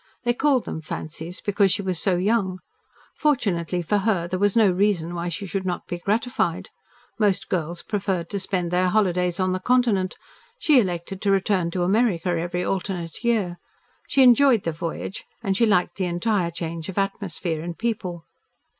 They called them fancies because she was so young. Fortunately for her, there was no reason why she should not be gratified. Most girls preferred to spend their holidays on the Continent. She elected to return to America every alternate year. She enjoyed the voyage and she liked the entire change of atmosphere and people.